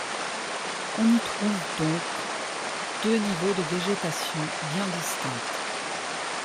On y trouve donc deux niveaux de végétations bien distincts.